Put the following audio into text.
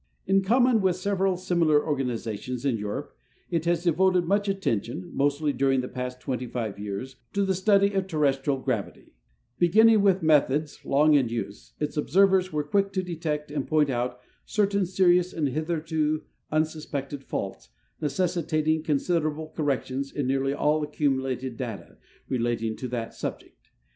In common with several similar organizations in Europe, it has devoted much attention, mostly during the past twenty five years, to the study of terrestrial gravity. Beginning with methods Um TED ST A TES DA ILY A TMOSPHERIC S UR VE Y 299 long in use, its observers were quick to detect and point out cer tain serious and liitherto unsus]iected faults, necessitating con siderable corrections in nearly all accumulated data relating to that subject.